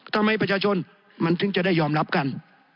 ทำไมประชาชนมันถึงจะได้ยอมรับกัน